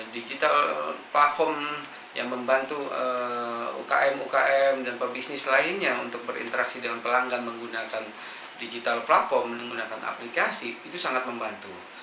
digital platform yang membantu ukm ukm dan pebisnis lainnya untuk berinteraksi dengan pelanggan menggunakan digital platform menggunakan aplikasi itu sangat membantu